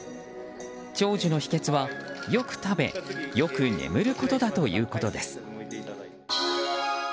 長寿の秘訣は、よく食べよく眠ることだということです。